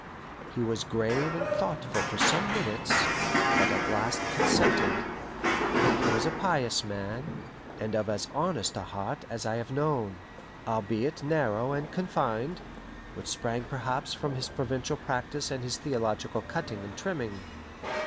He was grave and thoughtful for some minutes, but at last consented. He was a pious man, and of as honest a heart as I have known, albeit narrow and confined, which sprang perhaps from his provincial practice and his theological cutting and trimming.